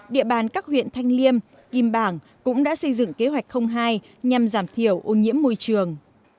địa bàn các huyện thanh liêm kim bảng cũng đã xây dựng kế hoạch hai nhằm giảm thiểu ô nhiễm môi trường